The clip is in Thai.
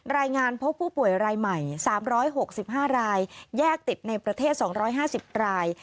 รายงานพบผู้ป่วยรายใหม่๓๖๕รายแยกติดในประเทศ๒๕๐ราย